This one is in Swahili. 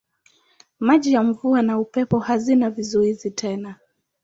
Maji ya mvua na upepo hazina vizuizi tena.